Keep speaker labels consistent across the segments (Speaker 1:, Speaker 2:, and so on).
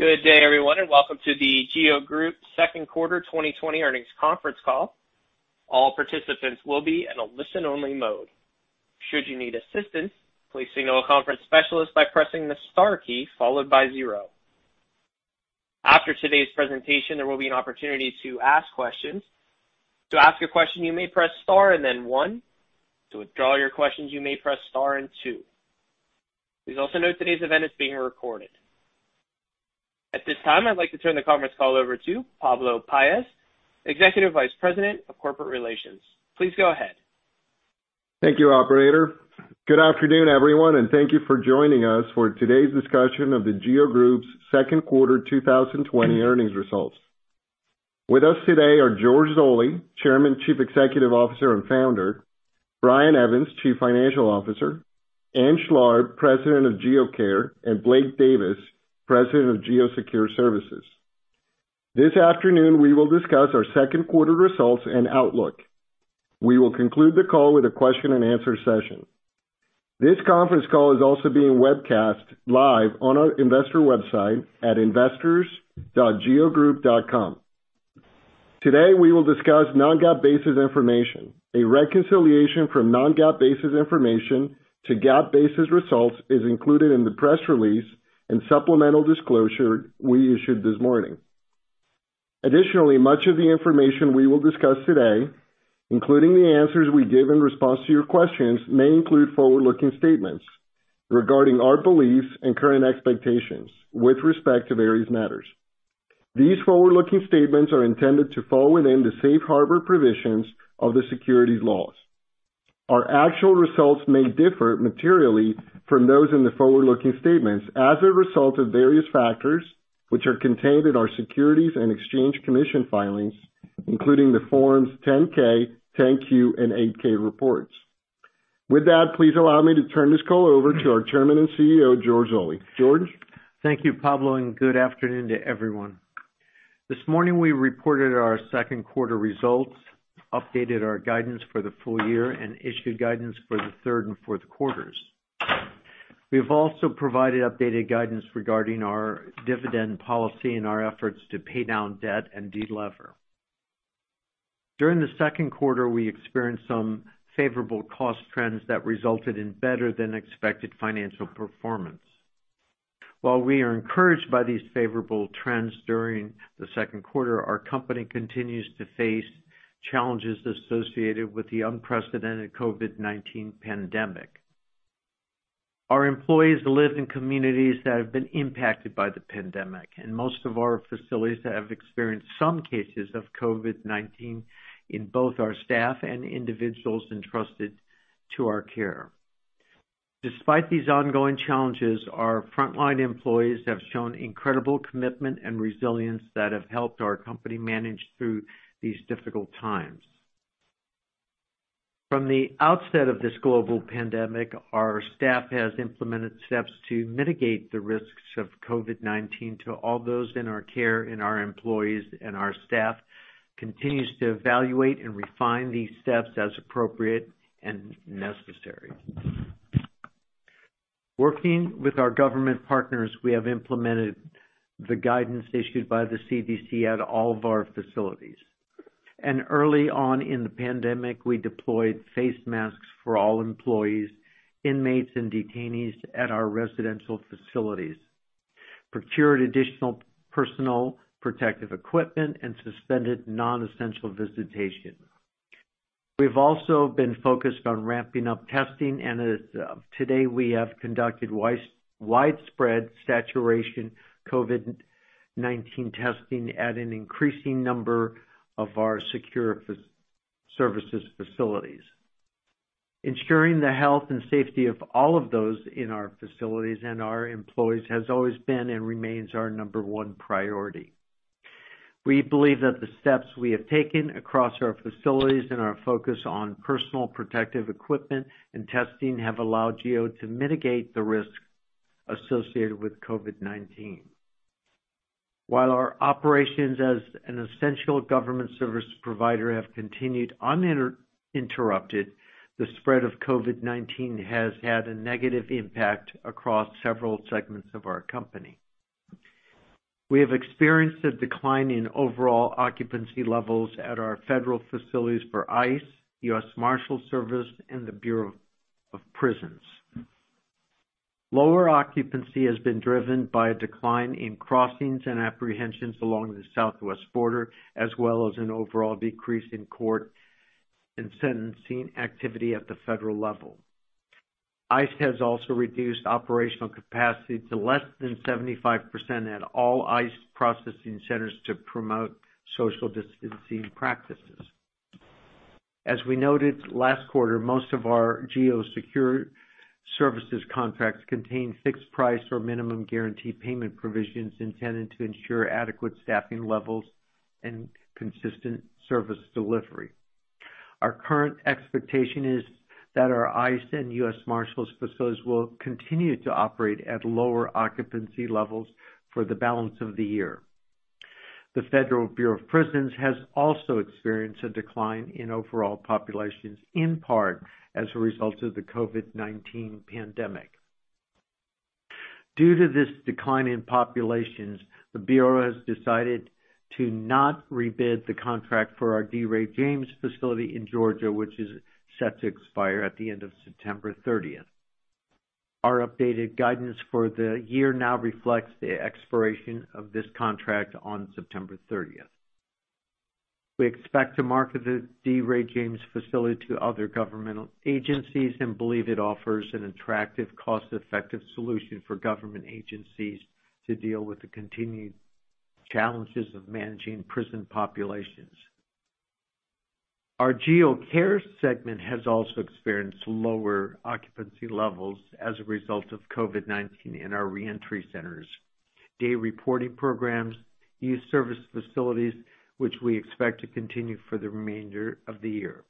Speaker 1: Good day, everyone, and welcome to The GEO Group second quarter 2020 earnings conference call. All participants will be in a listen-only mode. Should you need assistance, please notify the conference operator by pressing the star key followed by zero. After today's presentation there will be an opportunity to ask questions. To ask a question you may press star and then one. To withdraw your question, you may press star and two. It should be noted that this conference is being recorded. At this time, I'd like to turn the conference call over to Pablo Paez, Executive Vice President of Corporate Relations. Please go ahead.
Speaker 2: Thank you, operator. Good afternoon, everyone, and thank you for joining us for today's discussion of The GEO Group's second quarter 2020 earnings results. With us today are George Zoley, Chairman, Chief Executive Officer, and Founder; Brian Evans, Chief Financial Officer; Ann Schlarb, President of GEO Care; and Blake Davis, President of GEO Secure Services. This afternoon, we will discuss our second quarter results and outlook. We will conclude the call with a question and answer session. This conference call is also being webcast live on our investor website at investors.geogroup.com. Today, we will discuss non-GAAP basis information. A reconciliation from non-GAAP basis information to GAAP basis results is included in the press release and supplemental disclosure we issued this morning. Additionally, much of the information we will discuss today, including the answers we give in response to your questions, may include forward-looking statements regarding our beliefs and current expectations with respect to various matters. These forward-looking statements are intended to fall within the safe harbor provisions of the securities laws. Our actual results may differ materially from those in the forward-looking statements as a result of various factors, which are contained in our Securities and Exchange Commission filings, including the Forms 10-K, 10-Q, and 8-K reports. With that, please allow me to turn this call over to our Chairman and CEO, George Zoley. George?
Speaker 3: Thank you, Pablo, and good afternoon to everyone. This morning, we reported our second quarter results, updated our guidance for the full year, and issued guidance for the third and fourth quarters. We've also provided updated guidance regarding our dividend policy and our efforts to pay down debt and de-lever. During the second quarter, we experienced some favorable cost trends that resulted in better than expected financial performance. While we are encouraged by these favorable trends during the second quarter, our company continues to face challenges associated with the unprecedented COVID-19 pandemic. Our employees live in communities that have been impacted by the pandemic, and most of our facilities have experienced some cases of COVID-19 in both our staff and individuals entrusted to our care. Despite these ongoing challenges, our frontline employees have shown incredible commitment and resilience that have helped our company manage through these difficult times. From the outset of this global pandemic, our staff has implemented steps to mitigate the risks of COVID-19 to all those in our care and our employees, our staff continues to evaluate and refine these steps as appropriate and necessary. Working with our government partners, we have implemented the guidance issued by the CDC at all of our facilities. Early on in the pandemic, we deployed face masks for all employees, inmates, and detainees at our residential facilities, procured additional personal protective equipment, and suspended non-essential visitation. As of today, we have conducted widespread saturation COVID-19 testing at an increasing number of our secure services facilities. Ensuring the health and safety of all of those in our facilities and our employees has always been and remains our number one priority. We believe that the steps we have taken across our facilities and our focus on personal protective equipment and testing have allowed GEO to mitigate the risk associated with COVID-19. While our operations as an essential government service provider have continued uninterrupted, the spread of COVID-19 has had a negative impact across several segments of our company. We have experienced a decline in overall occupancy levels at our federal facilities for ICE, U.S. Marshals Service, and the Bureau of Prisons. Lower occupancy has been driven by a decline in crossings and apprehensions along the Southwest border, as well as an overall decrease in court and sentencing activity at the federal level. ICE has also reduced operational capacity to less than 75% at all ICE Processing Centers to promote social distancing practices. As we noted last quarter, most of our GEO Secure Services contracts contain fixed price or minimum guarantee payment provisions intended to ensure adequate staffing levels and consistent service delivery. Our current expectation is that our ICE and US Marshals facilities will continue to operate at lower occupancy levels for the balance of the year. The Federal Bureau of Prisons has also experienced a decline in overall populations, in part as a result of the COVID-19 pandemic. Due to this decline in populations, the bureau has decided to not rebid the contract for our D. Ray James Facility in Georgia, which is set to expire at the end of September 30th. Our updated guidance for the year now reflects the expiration of this contract on September 30th. We expect to market the D. Ray James Facility to other governmental agencies and believe it offers an attractive, cost-effective solution for government agencies to deal with the continuing challenges of managing prison populations. Our GEO Care segment has also experienced lower occupancy levels as a result of COVID-19 in our reentry centers, day reporting programs, youth service facilities, which we expect to continue for the remainder of the year.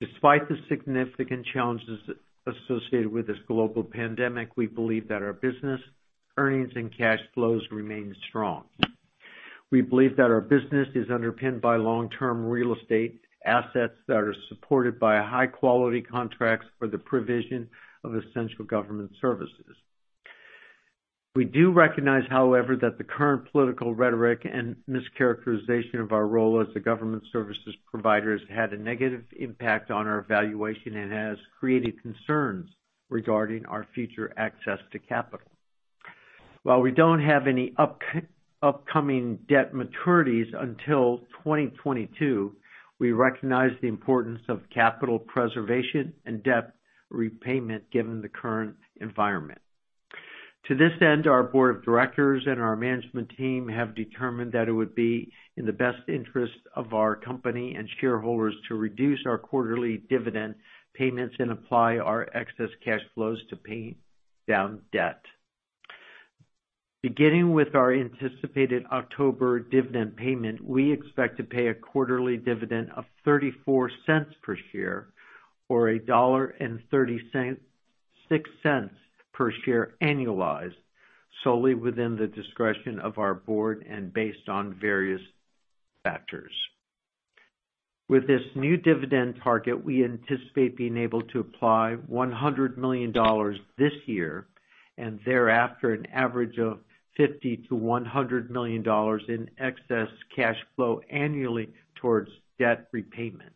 Speaker 3: Despite the significant challenges associated with this global pandemic, we believe that our business, earnings, and cash flows remain strong. We believe that our business is underpinned by long-term real estate assets that are supported by high-quality contracts for the provision of essential government services. We do recognize, however, that the current political rhetoric and mischaracterization of our role as a government services provider has had a negative impact on our valuation and has created concerns regarding our future access to capital. While we don't have any upcoming debt maturities until 2022, we recognize the importance of capital preservation and debt repayment given the current environment. To this end, our board of directors and our management team have determined that it would be in the best interest of our company and shareholders to reduce our quarterly dividend payments and apply our excess cash flows to pay down debt. Beginning with our anticipated October dividend payment, we expect to pay a quarterly dividend of $0.34 per share or $1.36 per share annualized, solely within the discretion of our board and based on various factors. With this new dividend target, we anticipate being able to apply $100 million this year, and thereafter, an average of $50 million-$100 million in excess cash flow annually towards debt repayment.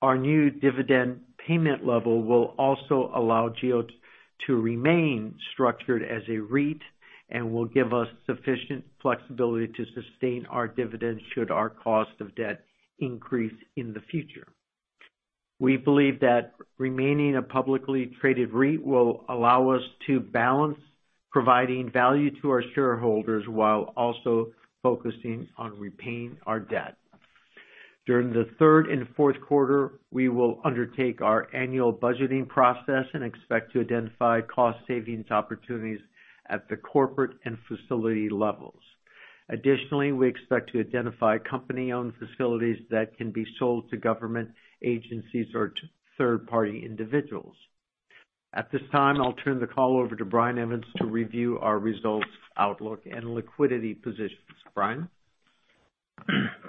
Speaker 3: Our new dividend payment level will also allow GEO to remain structured as a REIT and will give us sufficient flexibility to sustain our dividends should our cost of debt increase in the future. We believe that remaining a publicly traded REIT will allow us to balance providing value to our shareholders while also focusing on repaying our debt. During the third and fourth quarter, we will undertake our annual budgeting process and expect to identify cost savings opportunities at the corporate and facility levels. We expect to identify company-owned facilities that can be sold to government agencies or to third-party individuals. At this time, I'll turn the call over to Brian Evans to review our results, outlook, and liquidity positions. Brian?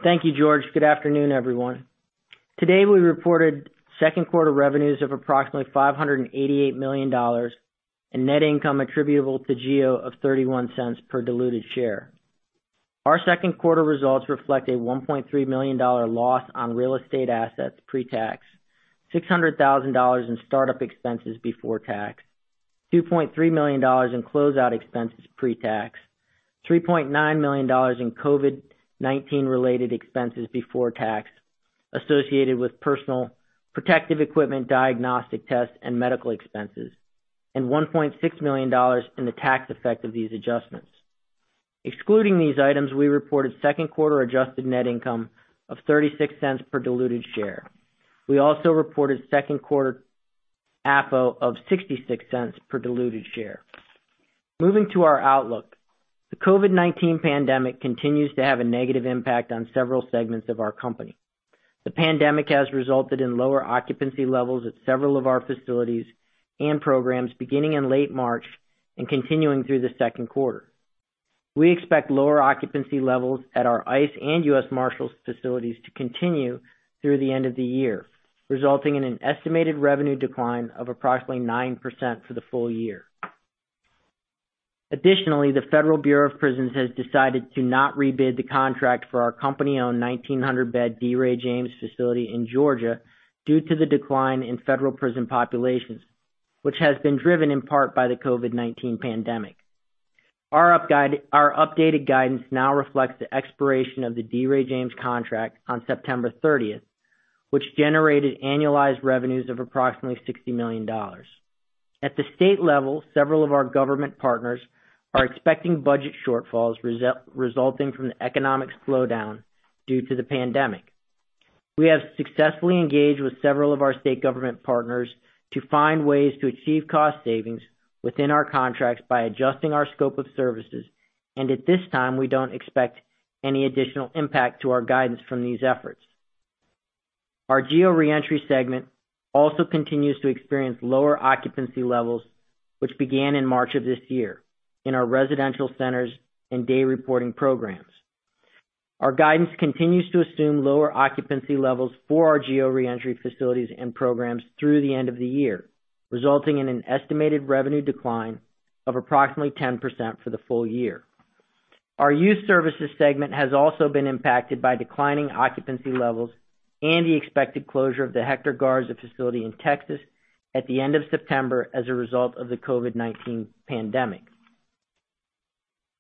Speaker 4: Thank you, George. Good afternoon, everyone. Today, we reported second quarter revenues of approximately $588 million and net income attributable to GEO of $0.31 per diluted share. Our second quarter results reflect a $1.3 million loss on real estate assets pre-tax, $600,000 in startup expenses before tax, $2.3 million in closeout expenses pre-tax, $3.9 million in COVID-19 related expenses before tax associated with personal protective equipment, diagnostic tests, and medical expenses, and $1.6 million in the tax effect of these adjustments. Excluding these items, we reported second quarter adjusted net income of $0.36 per diluted share. We also reported second quarter AFFO of $0.66 per diluted share. Moving to our outlook. The COVID-19 pandemic continues to have a negative impact on several segments of our company. The pandemic has resulted in lower occupancy levels at several of our facilities and programs beginning in late March and continuing through the second quarter. We expect lower occupancy levels at our ICE and U.S. Marshals facilities to continue through the end of the year, resulting in an estimated revenue decline of approximately 9% for the full year. Additionally, the Federal Bureau of Prisons has decided to not rebid the contract for our company-owned 1,900-bed D. Ray James Facility in Georgia due to the decline in federal prison populations, which has been driven in part by the COVID-19 pandemic. Our updated guidance now reflects the expiration of the D. Ray James contract on September 30th, which generated annualized revenues of approximately $60 million. At the state level, several of our government partners are expecting budget shortfalls resulting from the economic slowdown due to the pandemic. We have successfully engaged with several of our state government partners to find ways to achieve cost savings within our contracts by adjusting our scope of services. At this time, we don't expect any additional impact to our guidance from these efforts. Our GEO Reentry segment also continues to experience lower occupancy levels, which began in March of this year in our residential centers and day reporting programs. Our guidance continues to assume lower occupancy levels for our GEO Reentry facilities and programs through the end of the year, resulting in an estimated revenue decline of approximately 10% for the full year. Our Youth Services segment has also been impacted by declining occupancy levels and the expected closure of the Hector Garza facility in Texas at the end of September as a result of the COVID-19 pandemic.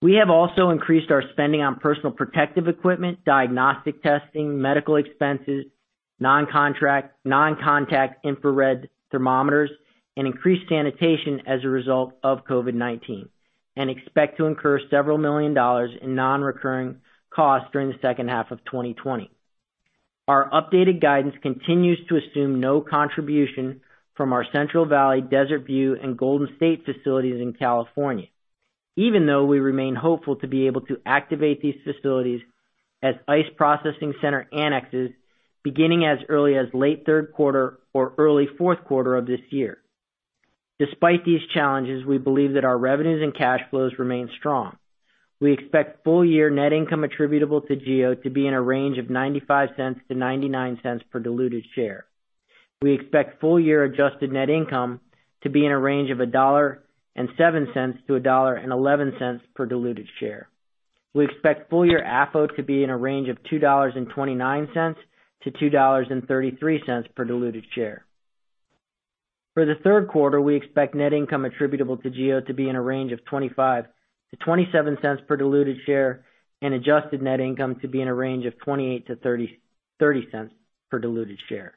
Speaker 4: We have also increased our spending on personal protective equipment, diagnostic testing, medical expenses, non-contact infrared thermometers, and increased sanitation as a result of COVID-19, and expect to incur several million dollars in non-recurring costs during the second half of 2020. Our updated guidance continues to assume no contribution from our Central Valley, Desert View, and Golden State facilities in California, even though we remain hopeful to be able to activate these facilities as ICE processing center annexes beginning as early as late third quarter or early fourth quarter of this year. Despite these challenges, we believe that our revenues and cash flows remain strong. We expect full year net income attributable to GEO to be in a range of $0.95-$0.99 per diluted share. We expect full year adjusted net income to be in a range of $1.07-$1.11 per diluted share. We expect full year AFFO to be in a range of $2.29-$2.33 per diluted share. For the third quarter, we expect net income attributable to GEO to be in a range of $0.25-$0.27 per diluted share, and adjusted net income to be in a range of $0.28-$0.30 per diluted share.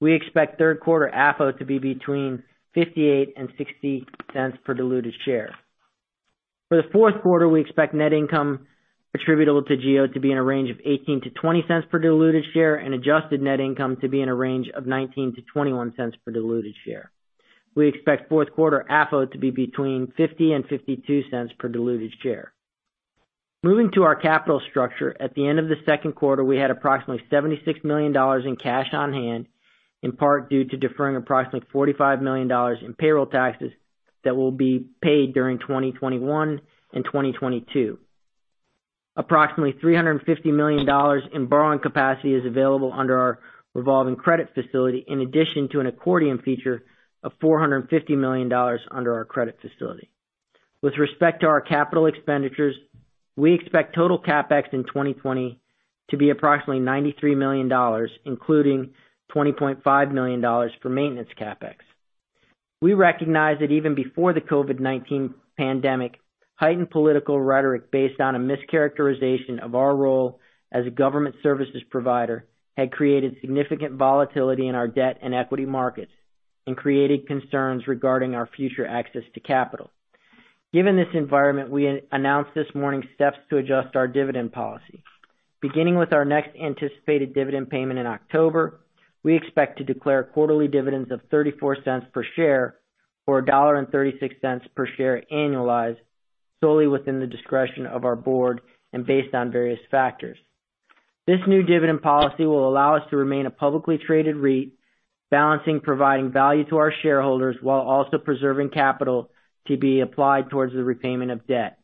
Speaker 4: We expect third quarter AFFO to be between $0.58 and $0.60 per diluted share. For the fourth quarter, we expect net income attributable to GEO to be in a range of $0.18-$0.20 per diluted share, and adjusted net income to be in a range of $0.19-$0.21 per diluted share. We expect fourth quarter AFFO to be between $0.50 and $0.52 per diluted share. Moving to our capital structure, at the end of the second quarter, we had approximately $76 million in cash on hand, in part due to deferring approximately $45 million in payroll taxes that will be paid during 2021 and 2022. Approximately $350 million in borrowing capacity is available under our revolving credit facility, in addition to an accordion feature of $450 million under our credit facility. With respect to our capital expenditures, we expect total CapEx in 2020 to be approximately $93 million, including $20.5 million for maintenance CapEx. We recognize that even before the COVID-19 pandemic, heightened political rhetoric based on a mischaracterization of our role as a government services provider had created significant volatility in our debt and equity markets and created concerns regarding our future access to capital. Given this environment, we announced this morning steps to adjust our dividend policy. Beginning with our next anticipated dividend payment in October, we expect to declare quarterly dividends of $0.34 per share or $1.36 per share annualized, solely within the discretion of our Board and based on various factors. This new dividend policy will allow us to remain a publicly traded REIT, balancing providing value to our shareholders while also preserving capital to be applied towards the repayment of debt.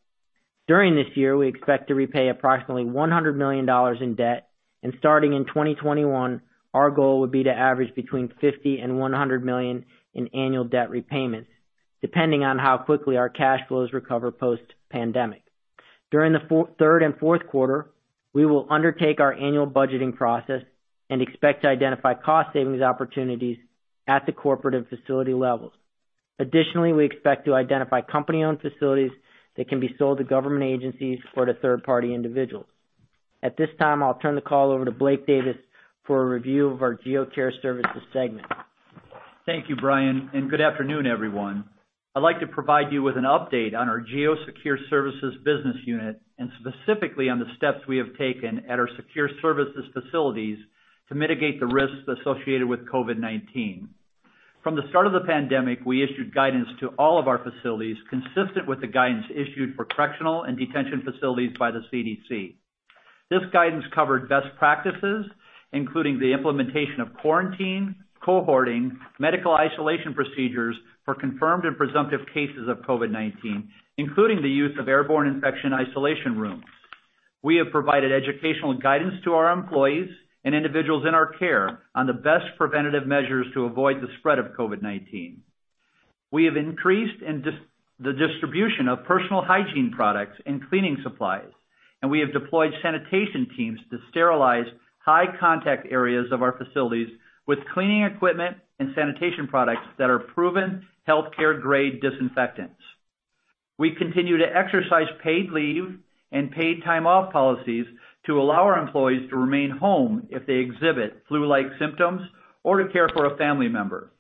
Speaker 4: During this year, we expect to repay approximately $100 million in debt, and starting in 2021, our goal would be to average between $50 million and $100 million in annual debt repayments, depending on how quickly our cash flows recover post-pandemic. During the third and fourth quarter, we will undertake our annual budgeting process and expect to identify cost savings opportunities at the corporate and facility levels. Additionally, we expect to identify company-owned facilities that can be sold to government agencies or to third-party individuals. At this time, I'll turn the call over to Blake Davis for a review of our GEO Secure Services segment.
Speaker 5: Thank you, Brian. Good afternoon, everyone. I'd like to provide you with an update on our GEO Secure Services business unit, and specifically on the steps we have taken at our Secure Services facilities to mitigate the risks associated with COVID-19. From the start of the pandemic, we issued guidance to all of our facilities consistent with the guidance issued for correctional and detention facilities by the CDC. This guidance covered best practices, including the implementation of quarantine, cohorting, medical isolation procedures for confirmed and presumptive cases of COVID-19, including the use of airborne infection isolation rooms. We have provided educational guidance to our employees and individuals in our care on the best preventative measures to avoid the spread of COVID-19. We have increased the distribution of personal hygiene products and cleaning supplies, and we have deployed sanitation teams to sterilize high contact areas of our facilities with cleaning equipment and sanitation products that are proven healthcare-grade disinfectants. We continue to exercise paid leave and paid time off policies to allow our employees to remain home if they exhibit flu-like symptoms or to care for a family member.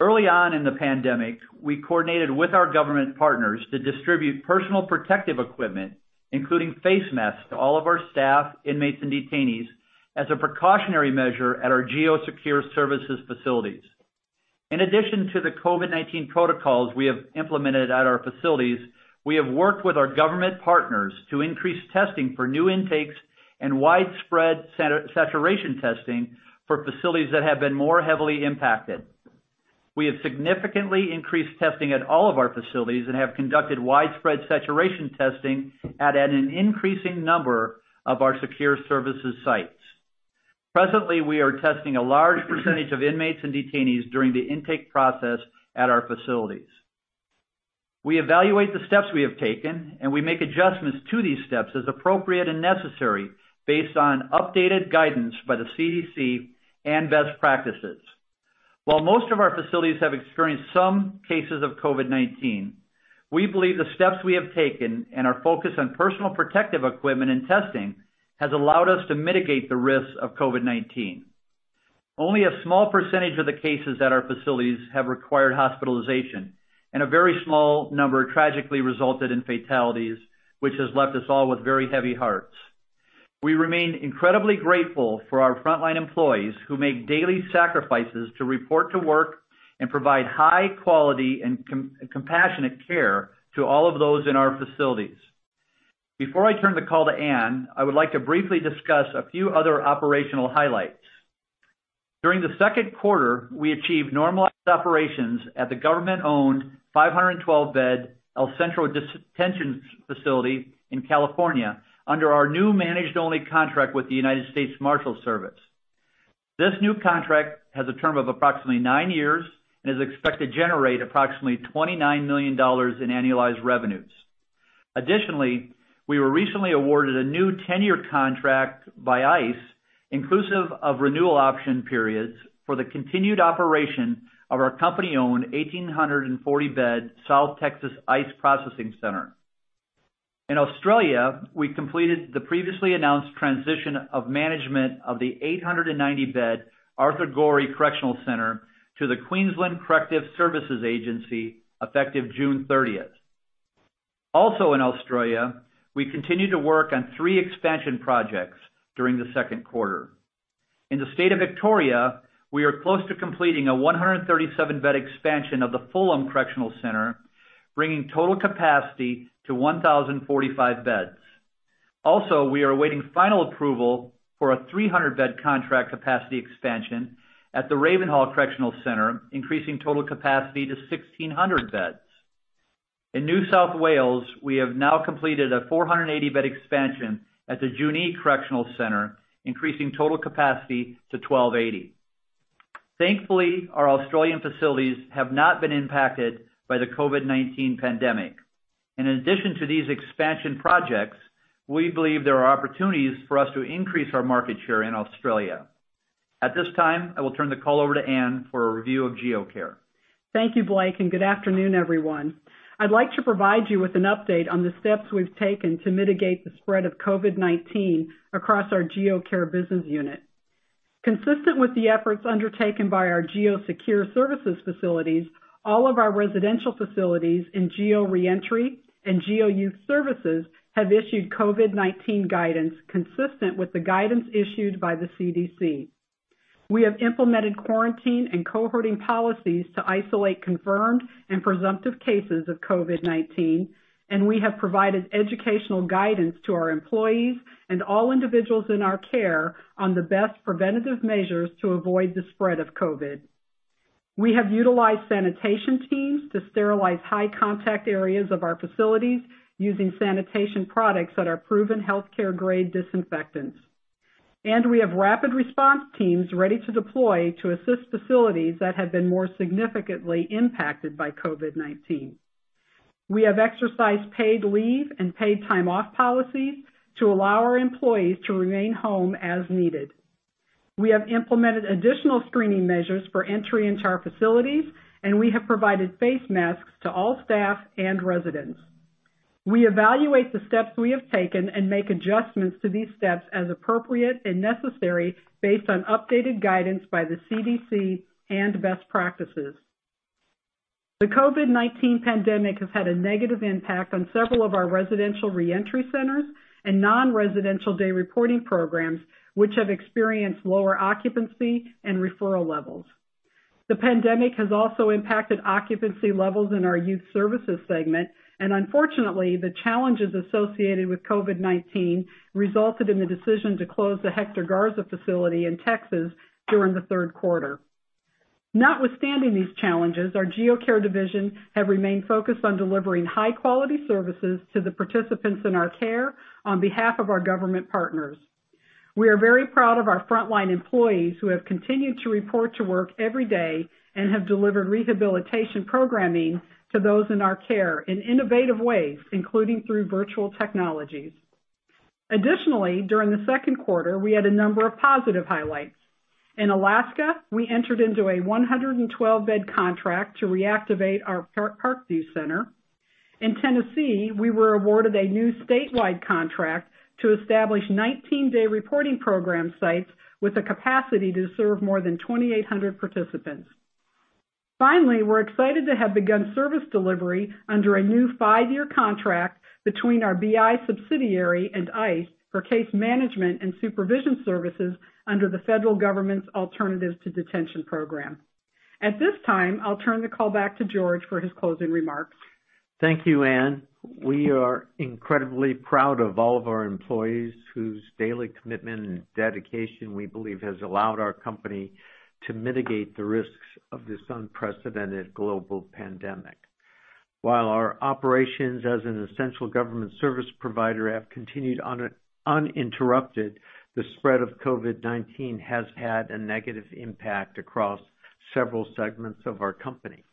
Speaker 5: Early on in the pandemic, we coordinated with our government partners to distribute personal protective equipment, including face masks, to all of our staff, inmates, and detainees as a precautionary measure at our GEO Secure Services facilities. In addition to the COVID-19 protocols we have implemented at our facilities, we have worked with our government partners to increase testing for new intakes and widespread saturation testing for facilities that have been more heavily impacted. We have significantly increased testing at all of our facilities and have conducted widespread saturation testing at an increasing number of our Secure Services sites. Presently, we are testing a large percentage of inmates and detainees during the intake process at our facilities. We evaluate the steps we have taken, and we make adjustments to these steps as appropriate and necessary based on updated guidance by the CDC and best practices. While most of our facilities have experienced some cases of COVID-19, we believe the steps we have taken and our focus on personal protective equipment and testing has allowed us to mitigate the risks of COVID-19. Only a small percentage of the cases at our facilities have required hospitalization, and a very small number tragically resulted in fatalities, which has left us all with very heavy hearts. We remain incredibly grateful for our frontline employees who make daily sacrifices to report to work and provide high quality and compassionate care to all of those in our facilities. Before I turn the call to Ann Schlarb, I would like to briefly discuss a few other operational highlights. During the second quarter, we achieved normalized operations at the government-owned 512-bed El Centro Detention Facility in California under our new managed-only contract with the United States Marshals Service. This new contract has a term of approximately nine years and is expected to generate approximately $29 million in annualized revenues. Additionally, we were recently awarded a new 10-year contract by ICE, inclusive of renewal option periods, for the continued operation of our company-owned 1,840-bed South Texas ICE Processing Center. In Australia, we completed the previously announced transition of management of the 890-bed Arthur Gorrie Correctional Center to the Queensland Corrective Services Agency, effective June 30th. Also, in Australia, we continued to work on three expansion projects during the second quarter. In the state of Victoria, we are close to completing a 137-bed expansion of the Fulham Correctional Centre, bringing total capacity to 1,045 beds. Also, we are awaiting final approval for a 300-bed contract capacity expansion at the Ravenhall Correctional Center, increasing total capacity to 1,600 beds. In New South Wales, we have now completed a 480-bed expansion at the Junee Correctional Center, increasing total capacity to 1,280. Thankfully, our Australian facilities have not been impacted by the COVID-19 pandemic. In addition to these expansion projects, we believe there are opportunities for us to increase our market share in Australia. At this time, I will turn the call over to Ann for a review of GEO Care.
Speaker 6: Thank you, Blake, and good afternoon, everyone. I'd like to provide you with an update on the steps we've taken to mitigate the spread of COVID-19 across our GEO Care business unit. Consistent with the efforts undertaken by our GEO Secure Services facilities, all of our residential facilities in GEO Reentry and GEO Youth Services have issued COVID-19 guidance consistent with the guidance issued by the CDC. We have implemented quarantine and cohorting policies to isolate confirmed and presumptive cases of COVID-19, and we have provided educational guidance to our employees and all individuals in our care on the best preventative measures to avoid the spread of COVID. We have utilized sanitation teams to sterilize high-contact areas of our facilities using sanitation products that are proven healthcare-grade disinfectants. We have rapid response teams ready to deploy to assist facilities that have been more significantly impacted by COVID-19. We have exercised paid leave and paid time off policies to allow our employees to remain home as needed. We have implemented additional screening measures for entry into our facilities, and we have provided face masks to all staff and residents. We evaluate the steps we have taken and make adjustments to these steps as appropriate and necessary based on updated guidance by the CDC and best practices. The COVID-19 pandemic has had a negative impact on several of our residential reentry centers and non-residential day reporting programs, which have experienced lower occupancy and referral levels. The pandemic has also impacted occupancy levels in our youth services segment, and unfortunately, the challenges associated with COVID-19 resulted in the decision to close the Hector Garza facility in Texas during the third quarter. Notwithstanding these challenges, our GEO Care division have remained focused on delivering high-quality services to the participants in our care on behalf of our government partners. We are very proud of our frontline employees who have continued to report to work every day and have delivered rehabilitation programming to those in our care in innovative ways, including through virtual technologies. Additionally, during the second quarter, we had a number of positive highlights. In Alaska, we entered into a 112-bed contract to reactivate our Parkview Center. In Tennessee, we were awarded a new statewide contract to establish 19 day reporting program sites with a capacity to serve more than 2,800 participants. Finally, we're excited to have begun service delivery under a new five-year contract between our BI subsidiary and ICE for case management and supervision services under the federal government's Alternatives to Detention program. At this time, I'll turn the call back to George for his closing remarks.
Speaker 3: Thank you, Ann. We are incredibly proud of all of our employees, whose daily commitment and dedication we believe has allowed our company to mitigate the risks of this unprecedented global pandemic. While our operations as an essential government service provider have continued uninterrupted, the spread of COVID-19 has had a negative impact across several segments of our company.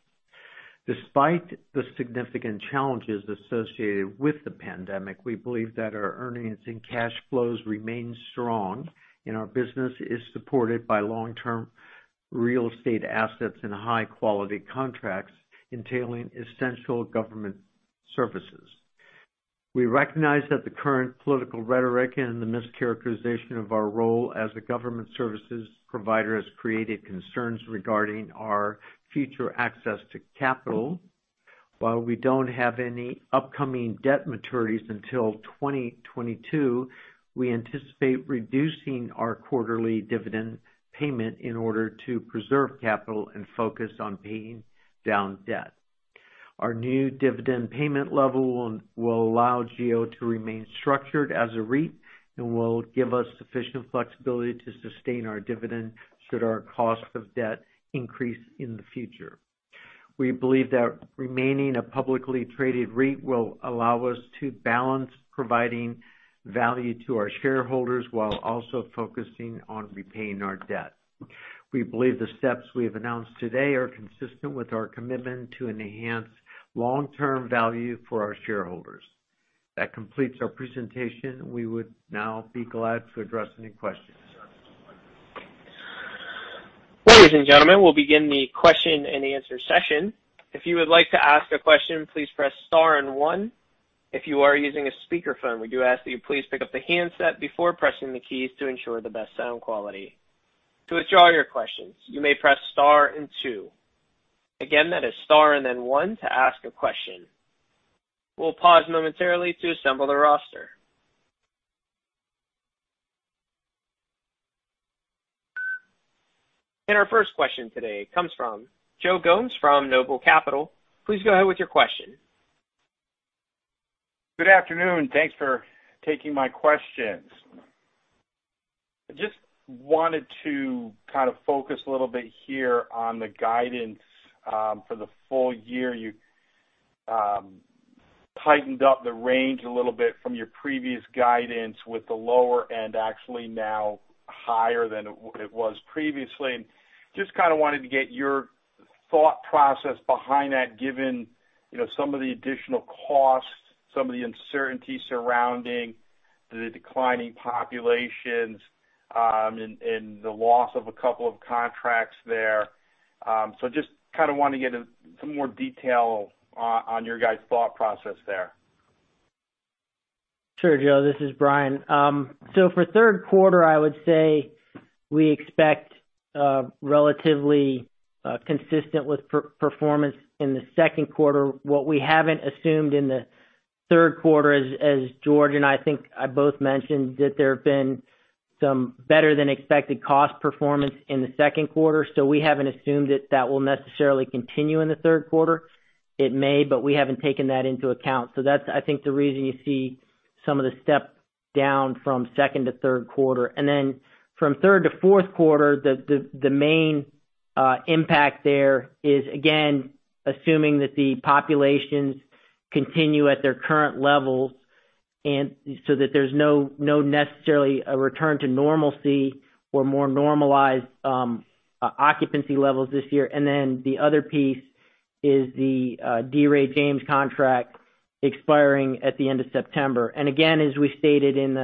Speaker 3: Despite the significant challenges associated with the pandemic, we believe that our earnings and cash flows remain strong, and our business is supported by long-term real estate assets and high-quality contracts entailing essential government services. We recognize that the current political rhetoric and the mischaracterization of our role as a government services provider has created concerns regarding our future access to capital. While we don't have any upcoming debt maturities until 2022, we anticipate reducing our quarterly dividend payment in order to preserve capital and focus on paying down debt. Our new dividend payment level will allow GEO to remain structured as a REIT and will give us sufficient flexibility to sustain our dividend should our cost of debt increase in the future. We believe that remaining a publicly traded REIT will allow us to balance providing value to our shareholders while also focusing on repaying our debt. We believe the steps we have announced today are consistent with our commitment to enhance long-term value for our shareholders. That completes our presentation. We would now be glad to address any questions.
Speaker 1: Ladies and gentlemen, we'll begin the question and answer session. If you would like to ask a question, please press star and one. If you are using a speakerphone, we do ask that you please pick up the handset before pressing the keys to ensure the best sound quality. To withdraw your questions, you may press star and two. Again, that is star and then one to ask a question. We'll pause momentarily to assemble the roster. Our first question today comes from Joe Gomes from NOBLE Capital. Please go ahead with your question.
Speaker 7: Good afternoon. Thanks for taking my questions. I just wanted to kind of focus a little bit here on the guidance for the full year. You tightened up the range a little bit from your previous guidance with the lower end actually now higher than it was previously. Just kind of wanted to get your thought process behind that, given some of the additional costs, some of the uncertainty surrounding the declining populations, and the loss of a couple of contracts there. Just kind of wanted to get some more detail on your guys' thought process there.
Speaker 4: Sure, Joe. This is Brian. For third quarter, I would say we expect relatively consistent with performance in the second quarter. What we haven't assumed in the third quarter is, as George and I think I both mentioned, that there have been some better than expected cost performance in the second quarter. We haven't assumed that that will necessarily continue in the third quarter. It may, but we haven't taken that into account. That's, I think, the reason you see some of the step down from second to third quarter. From third to fourth quarter, the main impact there is, again, assuming that the populations continue at their current levels, so that there's no necessarily a return to normalcy or more normalized occupancy levels this year. The other piece is the D. Ray James contract expiring at the end of September. Again, as we stated in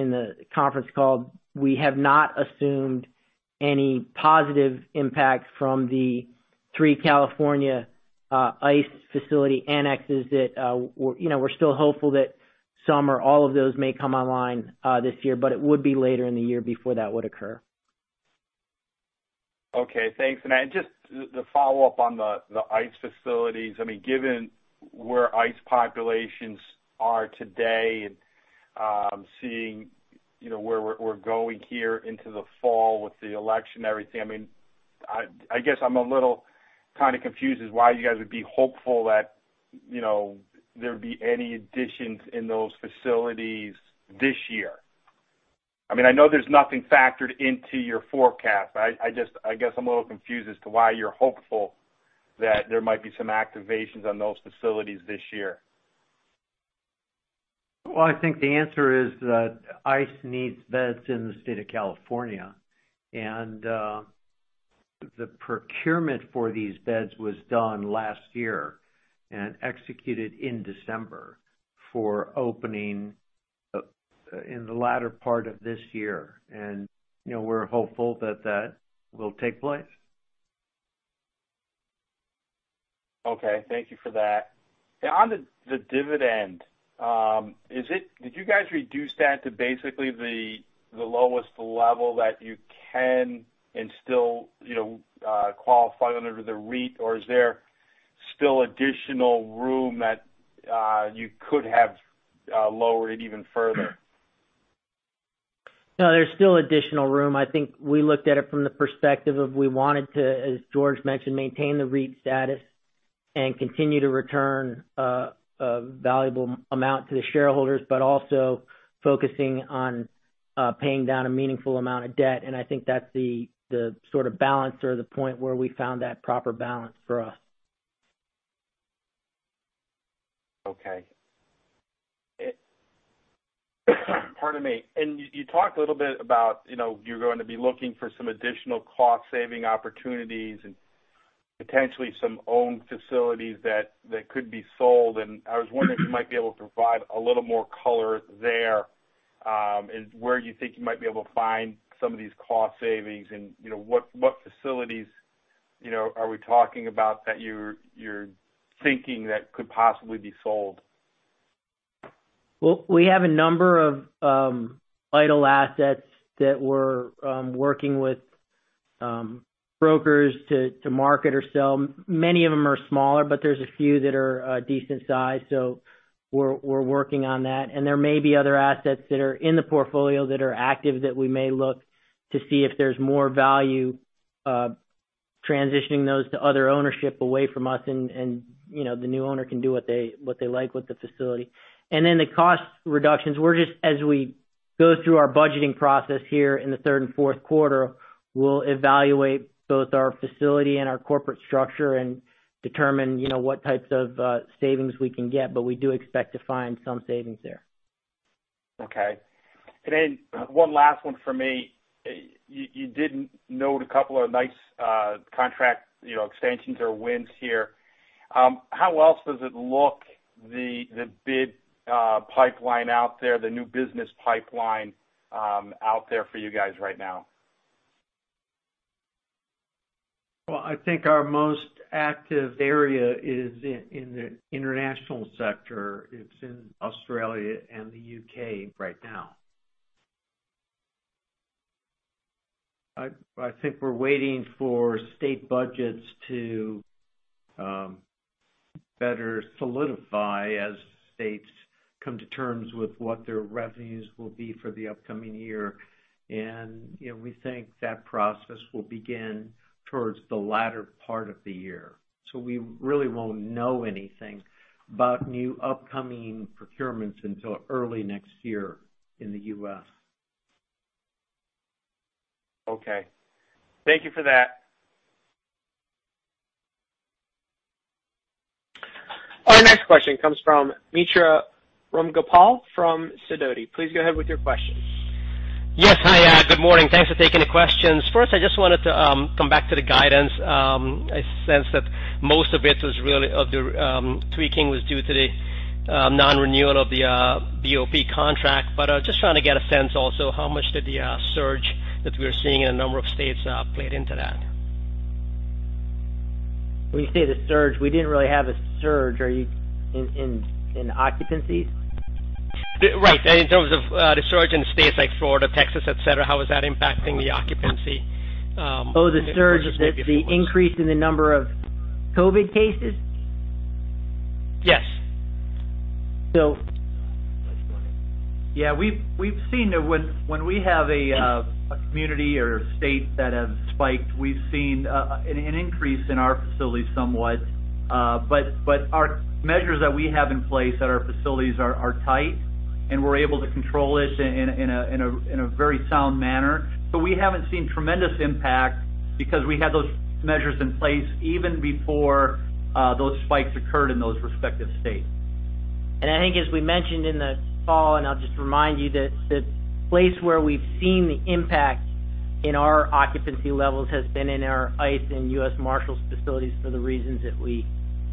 Speaker 4: the conference call, we have not assumed any positive impact from the three California ICE facility annexes that we're still hopeful that some or all of those may come online this year, but it would be later in the year before that would occur.
Speaker 7: Okay, thanks. Just to follow up on the ICE facilities, given where ICE populations are today and seeing where we're going here into the fall with the election and everything, I guess I'm a little kind of confused as why you guys would be hopeful that there'd be any additions in those facilities this year? I know there's nothing factored into your forecast. I guess I'm a little confused as to why you're hopeful that there might be some activations on those facilities this year?
Speaker 3: Well, I think the answer is that ICE needs beds in the state of California, and the procurement for these beds was done last year and executed in December for opening in the latter part of this year. We're hopeful that that will take place.
Speaker 7: Okay, thank you for that. On the dividend, did you guys reduce that to basically the lowest level that you can and still qualify under the REIT? Or is there still additional room that you could have lowered it even further?
Speaker 4: There's still additional room. I think we looked at it from the perspective of we wanted to, as George mentioned, maintain the REIT status and continue to return a valuable amount to the shareholders, but also focusing on paying down a meaningful amount of debt. I think that's the sort of balance or the point where we found that proper balance for us.
Speaker 7: Okay. Pardon me. You talked a little bit about you're going to be looking for some additional cost-saving opportunities and potentially some owned facilities that could be sold, and I was wondering if you might be able to provide a little more color there. Where you think you might be able to find some of these cost savings, and what facilities are we talking about that you're thinking that could possibly be sold?
Speaker 4: We have a number of idle assets that we're working with brokers to market or sell. Many of them are smaller, but there's a few that are a decent size. We're working on that. There may be other assets that are in the portfolio that are active that we may look to see if there's more value transitioning those to other ownership away from us. The new owner can do what they like with the facility. The cost reductions, as we go through our budgeting process here in the third and fourth quarter, we'll evaluate both our facility and our corporate structure and determine what types of savings we can get. We do expect to find some savings there.
Speaker 7: Okay. One last one from me. You did note a couple of nice contract expansions or wins here. How else does it look, the bid pipeline out there, the new business pipeline out there for you guys right now?
Speaker 3: I think our most active area is in the international sector. It's in Australia and the U.K. right now. I think we're waiting for state budgets to better solidify as states come to terms with what their revenues will be for the upcoming year. We think that process will begin towards the latter part of the year. We really won't know anything about new upcoming procurements until early next year in the U.S.
Speaker 7: Okay. Thank you for that.
Speaker 1: Our next question comes from Mitra Ramgopal from Sidoti. Please go ahead with your question.
Speaker 8: Yes. Hi, good morning. Thanks for taking the questions. First, I just wanted to come back to the guidance. I sense that most of it was really of the tweaking was due to the non-renewal of the BOP contract. Just trying to get a sense also, how much did the surge that we're seeing in a number of states played into that?
Speaker 4: When you say the surge, we didn't really have a surge. Are you in occupancies?
Speaker 8: Right. In terms of the surge in states like Florida, Texas, et cetera, how is that impacting the occupancy?
Speaker 4: Oh.
Speaker 8: Or just maybe if it was-
Speaker 4: the increase in the number of COVID cases?
Speaker 8: Yes.
Speaker 4: So-
Speaker 3: That's funny.
Speaker 5: We've seen that when we have a community or a state that has spiked, we've seen an increase in our facilities somewhat. Our measures that we have in place at our facilities are tight, and we're able to control it in a very sound manner. We haven't seen tremendous impact because we had those measures in place even before those spikes occurred in those respective states.
Speaker 4: I think as we mentioned in the call, and I'll just remind you that the place where we've seen the impact in our occupancy levels has been in our ICE and U.S. Marshals facilities for the reasons that we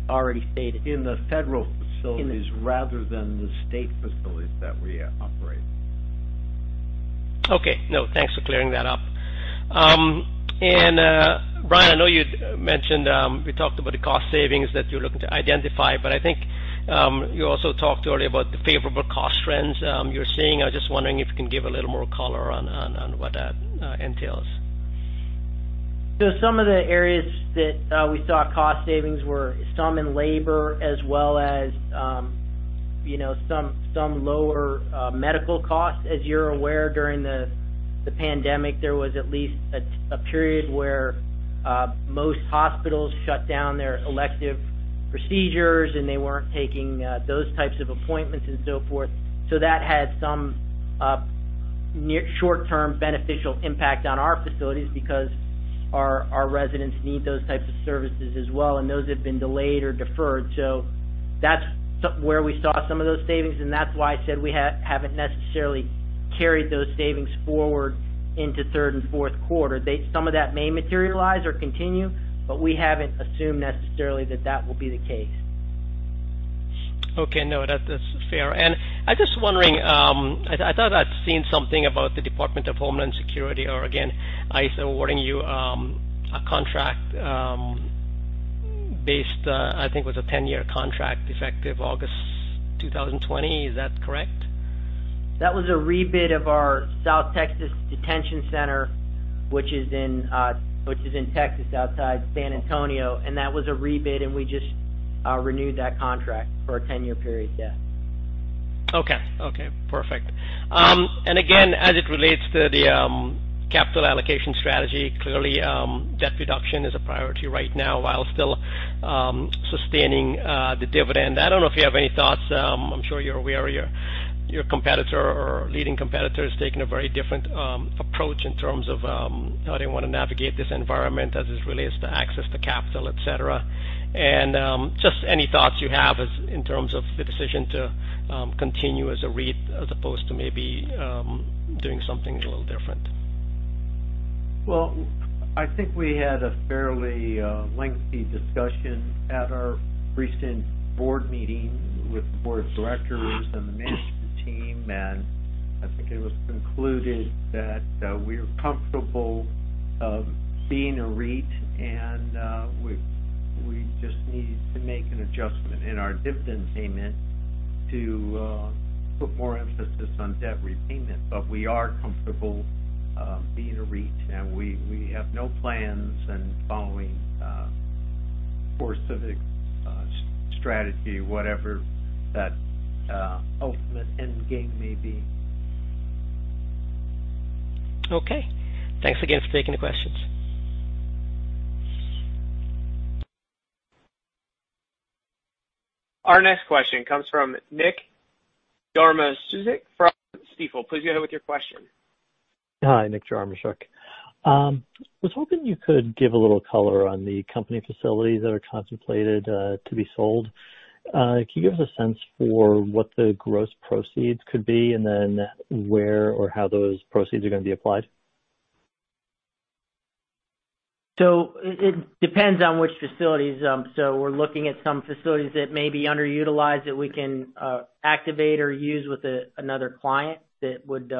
Speaker 4: already stated.
Speaker 3: In the federal facilities rather than the state facilities that we operate.
Speaker 8: Okay. No, thanks for clearing that up. Brian, I know you mentioned, we talked about the cost savings that you're looking to identify, but I think you also talked earlier about the favorable cost trends you're seeing. I was just wondering if you can give a little more color on what that entails.
Speaker 4: Some of the areas that we saw cost savings were some in labor as well as some lower medical costs. As you're aware, during the pandemic, there was at least a period where most hospitals shut down their elective procedures, and they weren't taking those types of appointments and so forth. That had some short-term beneficial impact on our facilities because our residents need those types of services as well, and those have been delayed or deferred. That's where we saw some of those savings, and that's why I said we haven't necessarily carried those savings forward into third and fourth quarter. Some of that may materialize or continue, but we haven't assumed necessarily that that will be the case.
Speaker 8: Okay. No, that's fair. I'm just wondering, I thought I'd seen something about the Department of Homeland Security, or again, ICE awarding you a contract based, I think it was a 10-year contract effective August 2020. Is that correct?
Speaker 4: That was a rebid of our South Texas ICE Processing Center, which is in Texas outside San Antonio. That was a rebid, and we just renewed that contract for a 10-year period. Yeah.
Speaker 8: Okay. Perfect. Again, as it relates to the capital allocation strategy, clearly, debt reduction is a priority right now while still sustaining the dividend. I don't know if you have any thoughts. I'm sure you're aware your competitor or leading competitor is taking a very different approach in terms of how they want to navigate this environment as it relates to access to capital, et cetera. Just any thoughts you have in terms of the decision to continue as a REIT as opposed to maybe doing something a little different.
Speaker 3: Well, I think we had a fairly lengthy discussion at our recent board meeting with the board of directors and the management team, and I think it was concluded that we are comfortable being a REIT, and we just need to make an adjustment in our dividend payment to put more emphasis on debt repayment. We are comfortable being a REIT, and we have no plans in following CoreCivic's strategy, whatever that ultimate end game may be.
Speaker 8: Okay. Thanks again for taking the questions.
Speaker 1: Our next question comes from Nick Jarmoszuk from Stifel. Please go ahead with your question.
Speaker 9: Hi, Nick Jarmoszuk. Was hoping you could give a little color on the company facilities that are contemplated to be sold. Can you give us a sense for what the gross proceeds could be and then where or how those proceeds are going to be applied?
Speaker 4: It depends on which facilities. We're looking at some facilities that may be underutilized that we can activate or use with another client that would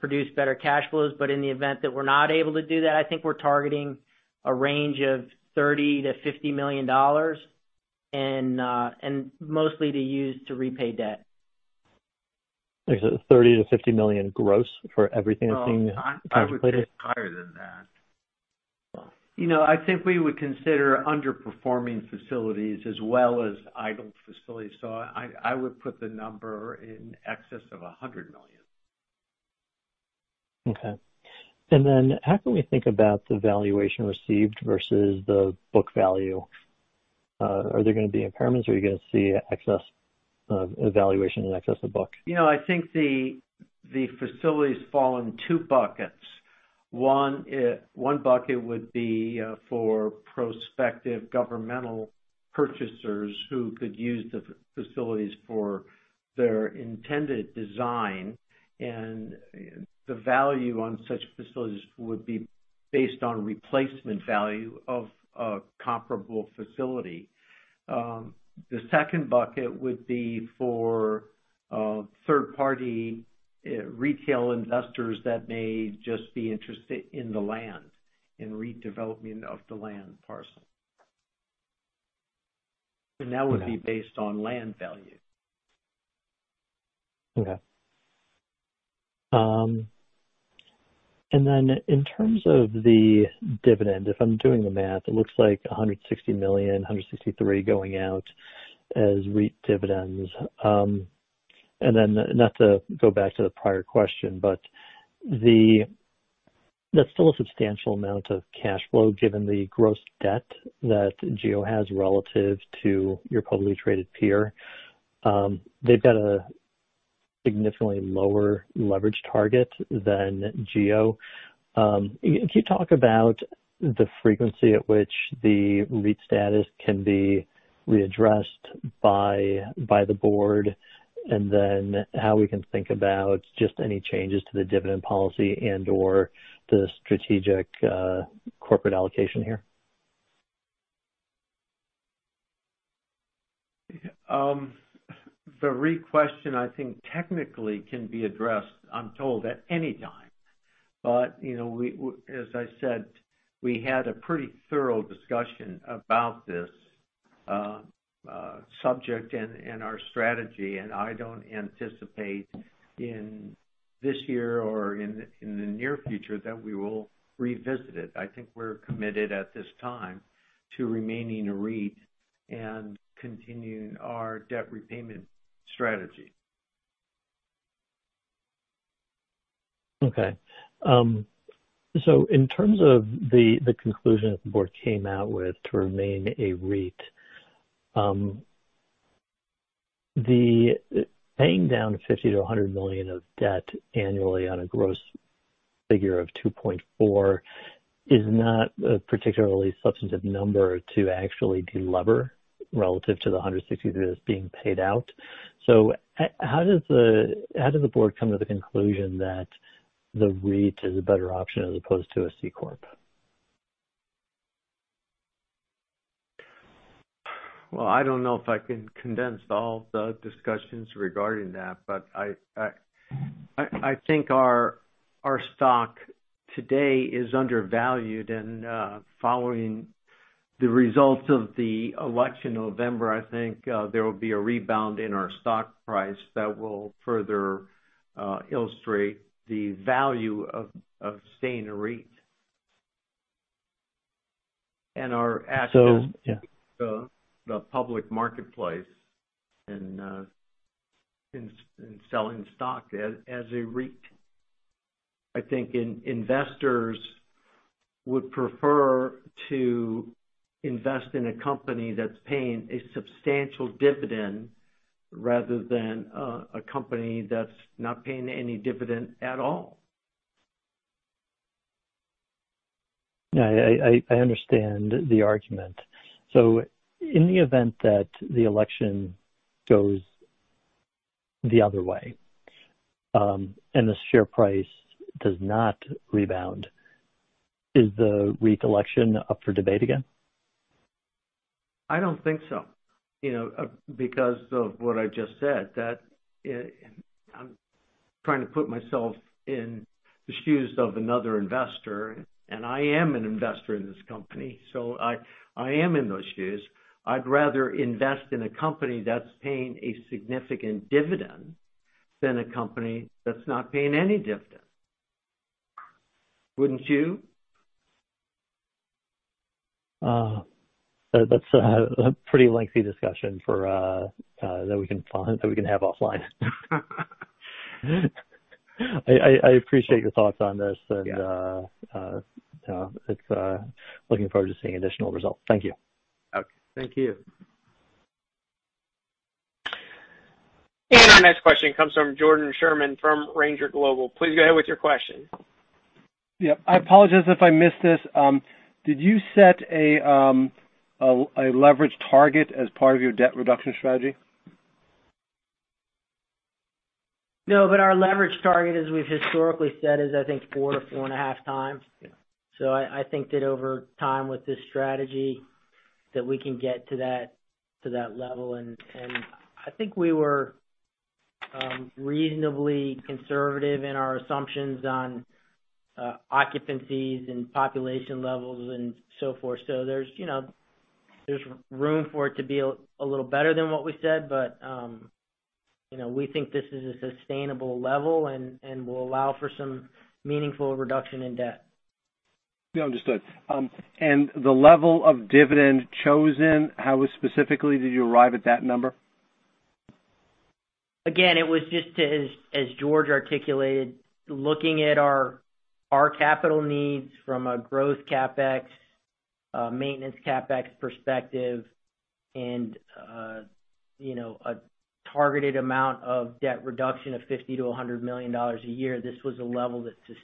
Speaker 4: produce better cash flows. In the event that we're not able to do that, I think we're targeting a range of $30 million-$50 million, and mostly to use to repay debt.
Speaker 9: Is it $30 million-$50 million gross for everything that's being contemplated?
Speaker 3: No, I would think higher than that.
Speaker 9: Oh.
Speaker 3: I think we would consider underperforming facilities as well as idle facilities. I would put the number in excess of $100 million.
Speaker 9: Okay. How can we think about the valuation received versus the book value? Are there going to be impairments? Are we going to see excess valuation in excess of book?
Speaker 3: I think the facilities fall in two buckets. One bucket would be for prospective governmental purchasers who could use the facilities for their intended design, and the value on such facilities would be based on replacement value of a comparable facility. The second bucket would be for third-party retail investors that may just be interested in the land, in redevelopment of the land parcel.
Speaker 9: Okay.
Speaker 3: That would be based on land value.
Speaker 9: Okay. In terms of the dividend, if I'm doing the math, it looks like $160 million, $163 going out as REIT dividends. Not to go back to the prior question, but that's still a substantial amount of cash flow given the gross debt that GEO has relative to your publicly traded peer. They've got a significantly lower leverage target than GEO. Can you talk about the frequency at which the REIT status can be readdressed by the board, and then how we can think about just any changes to the dividend policy and/or the strategic corporate allocation here?
Speaker 3: The REIT question, I think, technically can be addressed, I'm told, at any time. As I said, we had a pretty thorough discussion about this subject and our strategy, and I don't anticipate in this year or in the near future that we will revisit it. I think we're committed at this time to remaining a REIT and continuing our debt repayment strategy.
Speaker 9: In terms of the conclusion that the board came out with to remain a REIT, paying down $50 million to $100 million of debt annually on a gross figure of $2.4 is not a particularly substantive number to actually delever relative to the $163 that's being paid out. How did the board come to the conclusion that the REIT is a better option as opposed to a C corp?
Speaker 3: Well, I don't know if I can condense all the discussions regarding that, but I think our stock today is undervalued, and following the results of the election in November, I think there will be a rebound in our stock price that will further illustrate the value of staying a REIT.
Speaker 9: Yeah.
Speaker 3: The public marketplace and selling stock as a REIT. I think investors would prefer to invest in a company that's paying a substantial dividend rather than a company that's not paying any dividend at all.
Speaker 9: Yeah. I understand the argument. In the event that the election goes the other way, and the share price does not rebound, is the REIT election up for debate again?
Speaker 3: I don't think so, because of what I just said, that I'm trying to put myself in the shoes of another investor, and I am an investor in this company, so I am in those shoes. I'd rather invest in a company that's paying a significant dividend than a company that's not paying any dividend. Wouldn't you?
Speaker 9: That's a pretty lengthy discussion that we can have offline. I appreciate your thoughts on this and looking forward to seeing additional results. Thank you.
Speaker 3: Okay. Thank you.
Speaker 1: Our next question comes from Jordan Sherman, from Ranger Global. Please go ahead with your question.
Speaker 10: Yeah. I apologize if I missed this. Did you set a leverage target as part of your debt reduction strategy?
Speaker 4: No, our leverage target, as we've historically said, is I think four to four and a half times. I think that over time with this strategy, that we can get to that level. I think we were reasonably conservative in our assumptions on occupancies and population levels and so forth. There's room for it to be a little better than what we said, but we think this is a sustainable level and will allow for some meaningful reduction in debt.
Speaker 10: Yeah. Understood. The level of dividend chosen, how specifically did you arrive at that number?
Speaker 4: It was just as George articulated, looking at our capital needs from a growth CapEx, maintenance CapEx perspective, and a targeted amount of debt reduction of $50 million-$100 million a year. This was a level that just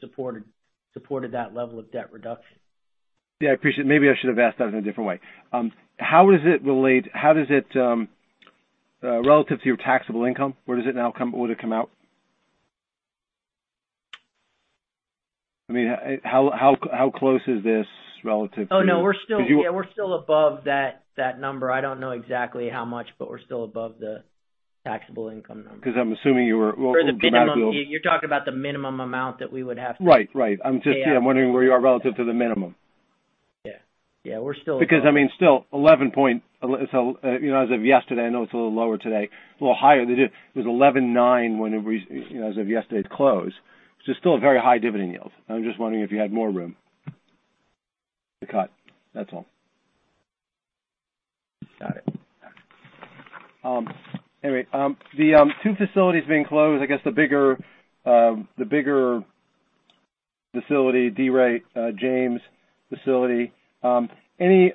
Speaker 4: supported that level of debt reduction.
Speaker 10: Yeah. I appreciate. Maybe I should have asked that in a different way. How does it relate relative to your taxable income? Would it come out? How close is this?
Speaker 4: Oh, no. We're still above that number. I don't know exactly how much, but we're still above the taxable income number.
Speaker 10: Because I'm assuming you were.
Speaker 4: For the minimum. You're talking about the minimum amount that we would have to.
Speaker 10: Right. I'm just wondering where you are relative to the minimum.
Speaker 4: Yeah. We're still above.
Speaker 10: Still, 11 point, as of yesterday, I know it's a little lower today, a little higher. It was 11.9 as of yesterday's close. Still a very high dividend yield. I'm just wondering if you had more room to cut. That's all. Got it. Anyway, the two facilities being closed, I guess the bigger D. Ray James Facility. any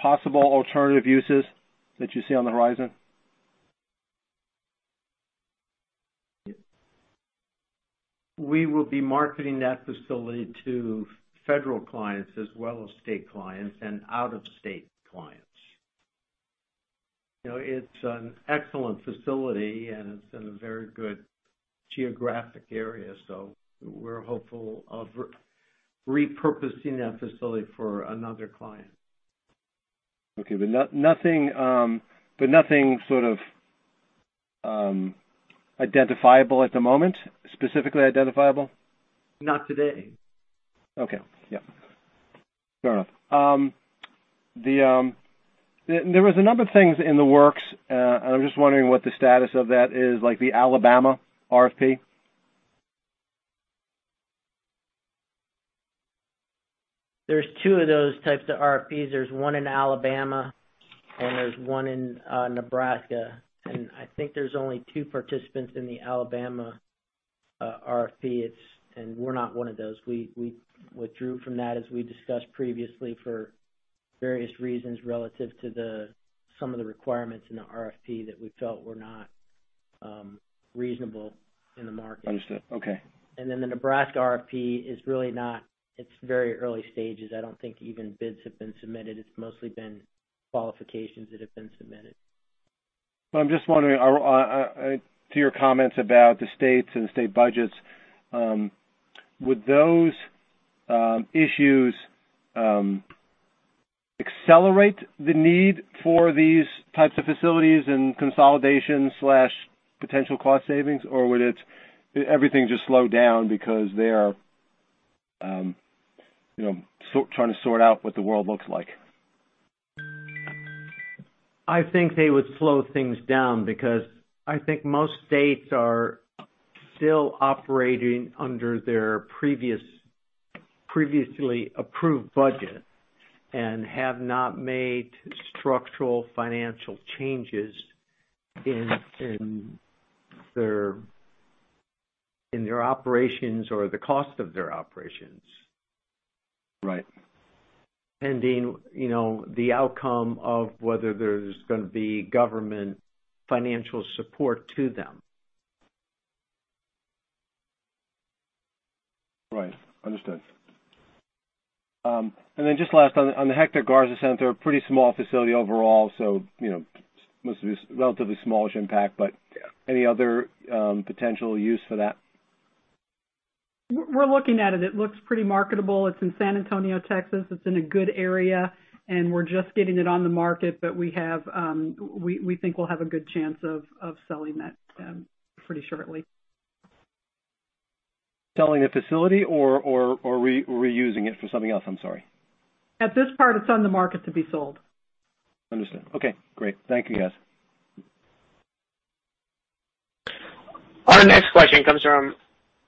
Speaker 10: possible alternative uses that you see on the horizon?
Speaker 3: We will be marketing that facility to federal clients as well as state clients and out-of-state clients. It's an excellent facility, and it's in a very good geographic area. We're hopeful of repurposing that facility for another client.
Speaker 10: Okay. Nothing sort of identifiable at the moment? Specifically identifiable?
Speaker 3: Not today.
Speaker 10: Okay. Yeah. Fair enough. There was a number of things in the works, and I'm just wondering what the status of that is, like the Alabama RFP.
Speaker 4: There's two of those types of RFPs. There's one in Alabama and there's one in Nebraska. I think there's only two participants in the Alabama RFP. We're not one of those. We withdrew from that, as we discussed previously, for various reasons relative to some of the requirements in the RFP that we felt were not reasonable in the market.
Speaker 10: Understood. Okay.
Speaker 4: The Nebraska RFP is very early stages. I don't think even bids have been submitted. It's mostly been qualifications that have been submitted.
Speaker 10: I'm just wondering, to your comments about the states and state budgets, would those issues accelerate the need for these types of facilities and consolidation/ potential cost savings? Or would everything just slow down because they are trying to sort out what the world looks like?
Speaker 3: I think they would slow things down because I think most states are still operating under their previously approved budget and have not made structural financial changes in their operations or the cost of their operations.
Speaker 10: Right.
Speaker 3: Pending the outcome of whether there's going to be government financial support to them.
Speaker 10: Right. Understood. Just last, on the Hector Garza Center, pretty small facility overall, so must be relatively small-ish impact, but any other potential use for that?
Speaker 6: We're looking at it. It looks pretty marketable. It's in San Antonio, Texas. It's in a good area, and we're just getting it on the market, but we think we'll have a good chance of selling that pretty shortly.
Speaker 10: Selling the facility or reusing it for something else? I'm sorry.
Speaker 6: At this part, it's on the market to be sold.
Speaker 10: Understood. Okay, great. Thank you, guys.
Speaker 1: Our next question comes from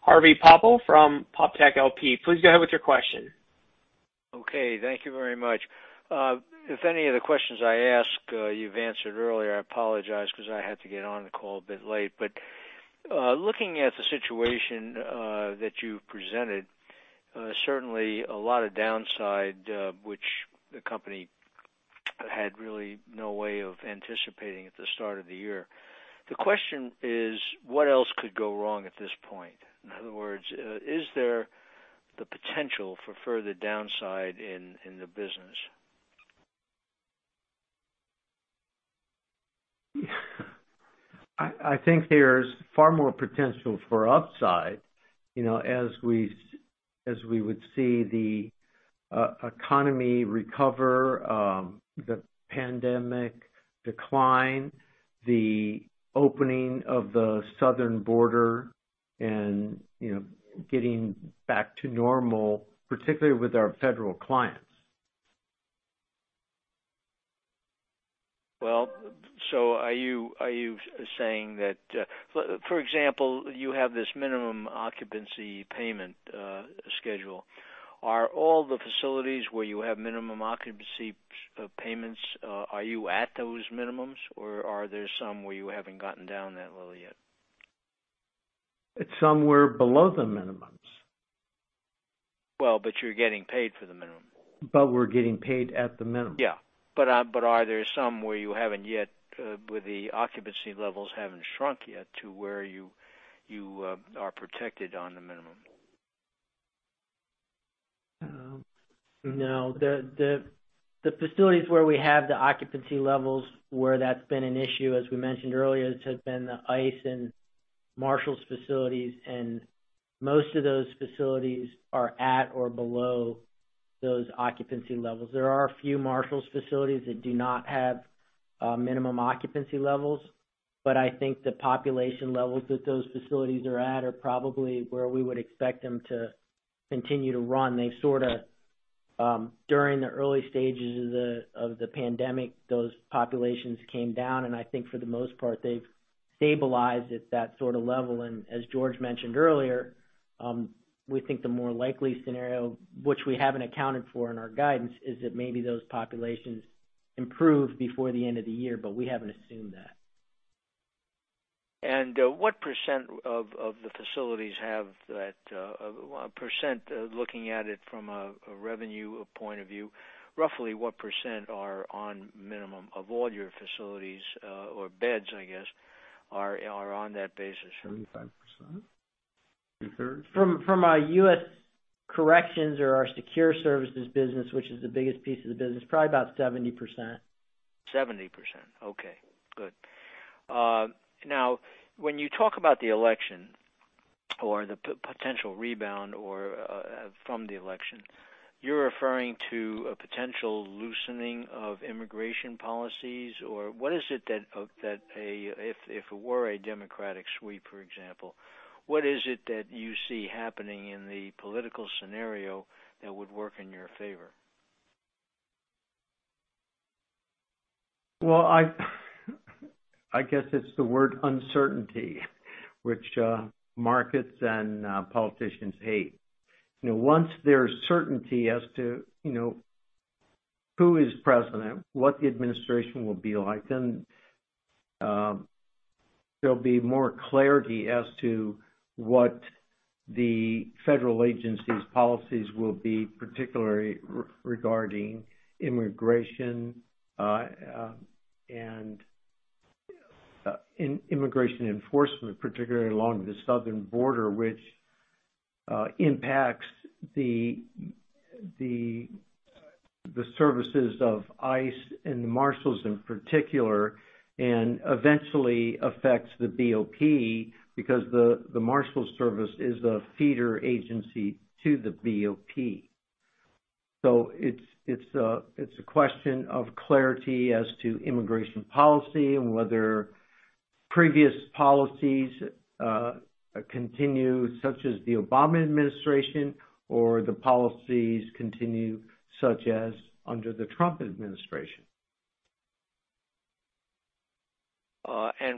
Speaker 1: Harvey Poppel from Poptech, LP. Please go ahead with your question.
Speaker 11: Okay. Thank you very much. If any of the questions I ask you've answered earlier, I apologize because I had to get on the call a bit late. Looking at the situation that you've presented, certainly a lot of downside, which the company had really no way of anticipating at the start of the year. The question is, what else could go wrong at this point? In other words, is there the potential for further downside in the business?
Speaker 3: I think there's far more potential for upside, as we would see the economy recover, the pandemic decline, the opening of the southern border and getting back to normal, particularly with our federal clients.
Speaker 11: Well, are you saying that, for example, you have this minimum occupancy payment schedule? Are all the facilities where you have minimum occupancy payments, are you at those minimums, or are there some where you haven't gotten down that low yet?
Speaker 3: At some we're below the minimums.
Speaker 11: Well, you're getting paid for the minimum.
Speaker 3: We're getting paid at the minimum.
Speaker 11: Yeah. Are there some where the occupancy levels haven't shrunk yet to where you are protected on the minimum?
Speaker 4: No. The facilities where we have the occupancy levels, where that's been an issue, as we mentioned earlier, it has been the ICE and Marshals facilities, and most of those facilities are at or below those occupancy levels. There are a few Marshals facilities that do not have minimum occupancy levels. I think the population levels that those facilities are at are probably where we would expect them to continue to run. During the early stages of the pandemic, those populations came down, and I think for the most part, they've stabilized at that sort of level. As George mentioned earlier, we think the more likely scenario, which we haven't accounted for in our guidance, is that maybe those populations improve before the end of the year. We haven't assumed that.
Speaker 11: What percentage of the facilities have that, looking at it from a revenue point of view, roughly what percentage are on minimum of all your facilities, or beds, I guess, are on that basis?
Speaker 3: 75%. Two-thirds.
Speaker 4: From our U.S. corrections or our secure services business, which is the biggest piece of the business, probably about 70%.
Speaker 11: 70%. Okay, good. When you talk about the election or the potential rebound from the election, you're referring to a potential loosening of immigration policies. What is it that, if it were a Democratic sweep, for example, what is it that you see happening in the political scenario that would work in your favor?
Speaker 3: I guess it's the word uncertainty, which markets and politicians hate. Once there's certainty as to who is president, what the administration will be like, then there'll be more clarity as to what the federal agency's policies will be, particularly regarding immigration and immigration enforcement, particularly along the southern border, which impacts the services of ICE and the Marshals in particular, and eventually affects the BOP because the Marshals Service is a feeder agency to the BOP. It's a question of clarity as to immigration policy and whether previous policies continue, such as the Obama administration or the policies continue such as under the Trump administration.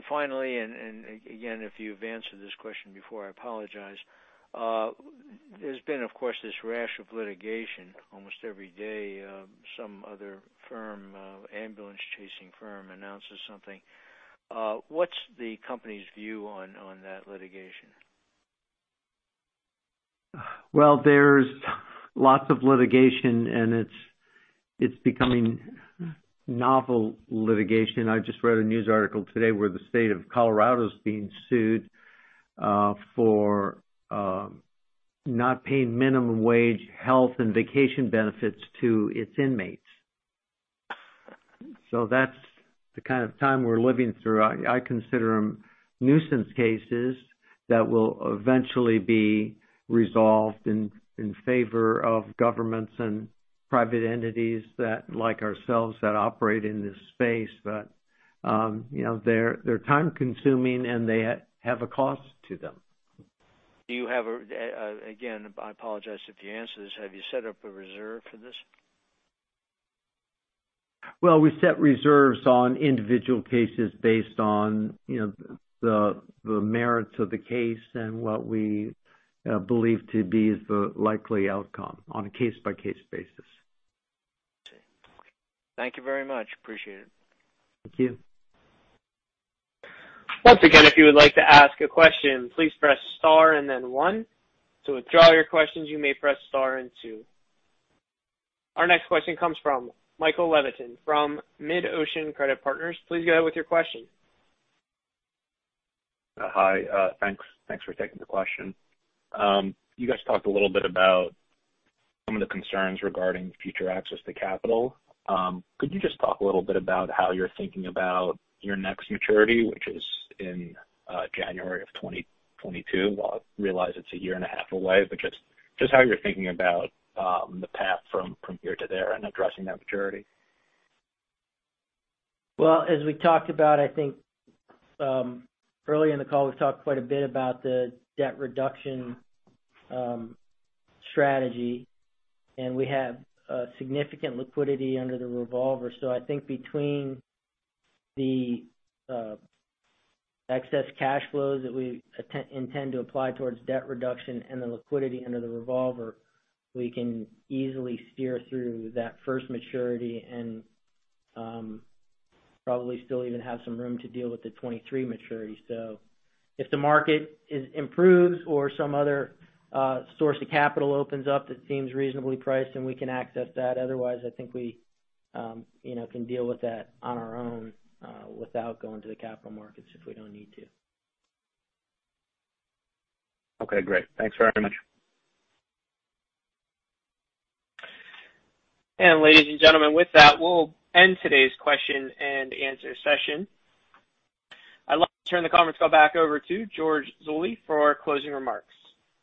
Speaker 11: Finally, and again, if you've answered this question before, I apologize. There's been, of course, this rash of litigation almost every day. Some other firm, ambulance-chasing firm announces something. What's the company's view on that litigation?
Speaker 3: There's lots of litigation, and it's becoming novel litigation. I just read a news article today where the state of Colorado's being sued for not paying minimum wage, health, and vacation benefits to its inmates. That's the kind of time we're living through. I consider them nuisance cases that will eventually be resolved in favor of governments and private entities, like ourselves, that operate in this space. They're time-consuming, and they have a cost to them.
Speaker 11: Do you have, again, I apologize if you answered this. Have you set up a reserve for this?
Speaker 3: Well, we set reserves on individual cases based on the merits of the case and what we believe to be the likely outcome on a case-by-case basis.
Speaker 11: I see. Thank you very much. Appreciate it.
Speaker 3: Thank you.
Speaker 1: Once again, if you'd like to ask a question, please press star and then one. To withdraw your question, you may press star and two. Our next question comes from Michael Levitin from MidOcean Credit Partners. Please go ahead with your question.
Speaker 12: Hi. Thanks for taking the question. You guys talked a little bit about some of the concerns regarding future access to capital. Could you just talk a little bit about how you're thinking about your next maturity, which is in January of 2022? While I realize it's a year and a half away, just how you're thinking about the path from here to there and addressing that maturity.
Speaker 4: As we talked about, I think, earlier in the call, we've talked quite a bit about the debt reduction strategy, and we have significant liquidity under the revolver. I think between the excess cash flows that we intend to apply towards debt reduction and the liquidity under the revolver, we can easily steer through that first maturity and probably still even have some room to deal with the 2023 maturity. If the market improves or some other source of capital opens up that seems reasonably priced, then we can access that. Otherwise, I think we can deal with that on our own without going to the capital markets if we don't need to.
Speaker 12: Okay, great. Thanks very much.
Speaker 1: Ladies and gentlemen, with that, we'll end today's question and answer session. I'd like to turn the conference call back over to George Zoley for closing remarks.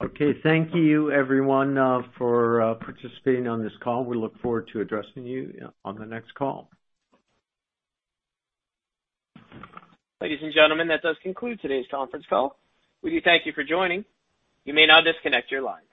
Speaker 3: Okay. Thank you everyone for participating on this call. We look forward to addressing you on the next call.
Speaker 1: Ladies and gentlemen, that does conclude today's conference call. We do thank you for joining. You may now disconnect your lines.